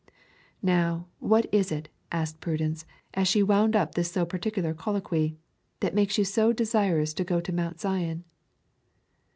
'Now, what is it,' asked Prudence, as she wound up this so particular colloquy, 'that makes you so desirous to go to Mount Zion?'